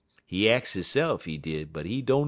"He ax hisse'f, he did, but he dunno.